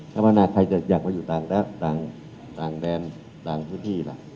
ภาวนาใครจะอยากมาอยู่ต่างแดนต่างพื้นที่ล่ะ